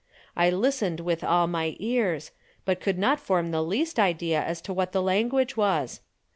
I listened with all my ears, but could not form the least idea as to what the language was.